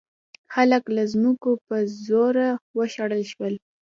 خلک له ځمکو په زوره وشړل شول.